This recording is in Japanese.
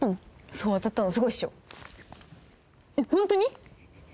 そう当たったのすごいっしょえっホントに？